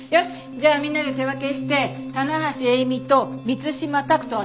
じゃあみんなで手分けして棚橋詠美と満島拓斗をあたってみて。